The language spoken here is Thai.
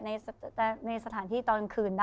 ในสถานที่ตอนคืนได้